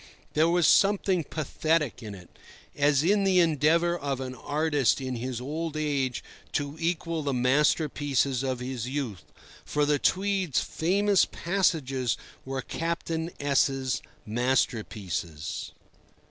There was something pathetic in it, as in the endeavour of an artist in his old age to equal the masterpieces of his youth—for the Tweed's famous passages were Captain S—'s masterpieces.